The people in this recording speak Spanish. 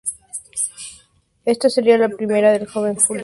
Esta sería la primera del joven Julio.